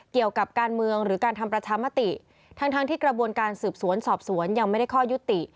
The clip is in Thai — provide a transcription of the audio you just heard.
เกี่ยวกับการเมืองหรือการทำประชามติทั้งทั้งที่กระบวนการสืบสวนสอบสวนยังไม่ได้ข้อยุติ